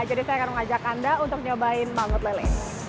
jadi saya akan mengajak anda untuk mencoba mangut lele